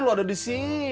lo ada di sini